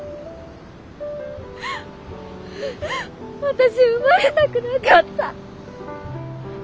私生まれたくなかった。